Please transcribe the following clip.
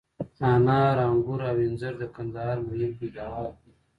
انار، آنګور او انځر د کندهار مهم پیداوار دي.